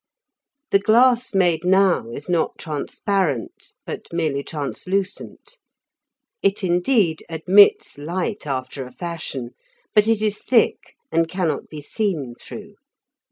The glass made now is not transparent, but merely translucent; it indeed admits light after a fashion, but it is thick and cannot be seen through.